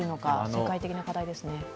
世界的な課題ですね。